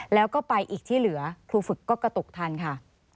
แล้วก็ไปอีกที่เหลือครูฝึกก็กระตุกทันค่ะ